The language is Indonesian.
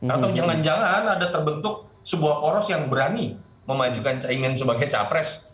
atau jangan jangan ada terbentuk sebuah oros yang berani memajukan cahimin sebagai cawapres